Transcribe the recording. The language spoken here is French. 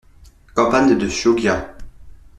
- Campagne de Chioggia.